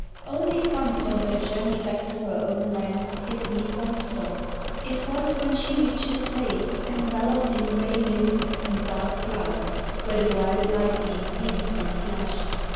Only once on her journey back to her own land did Nipon stop. It was when she reached a place enveloped in grey mists and dark clouds where the wild lightning leaped and flashed.